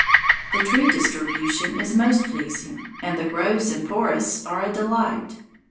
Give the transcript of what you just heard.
The tree distribution is most pleasing, and the groves and forests are a delight.